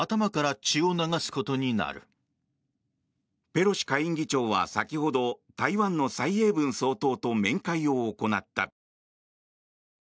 ペロシ下院議長は先ほど台湾の蔡英文総統と面会を行った。